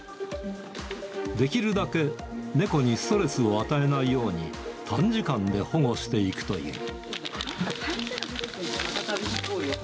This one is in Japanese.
できるだけ猫にストレスを与えないように、短時間で保護していくという。